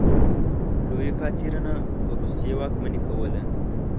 لویه کاترینه په روسیې واکمني کوله.